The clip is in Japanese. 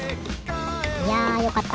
いやよかった。